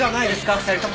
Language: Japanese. ２人とも。